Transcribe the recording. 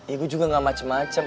ya gue juga nggak macem macem